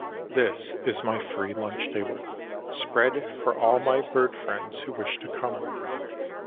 This is my free lunch table, spread for all my bird friends who wish to come.